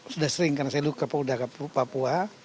sudah sering karena saya dulu sudah ke papua